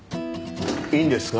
いいんですか？